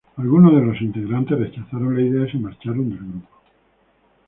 Algunos de los integrantes rechazaron la idea y se marcharon del grupo.